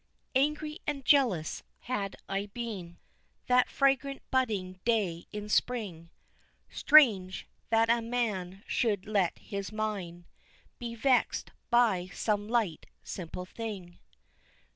Angry and jealous had I been That fragrant budding day in spring Strange, that a man should let his mind Be vexed by some light simple thing!